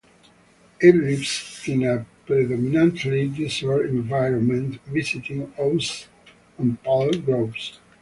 It lives in a predominantly desert environment visiting oases and palm groves.